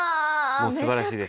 もうすばらしいです。